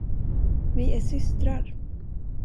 Vi är systrar!